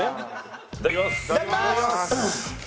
いただきます！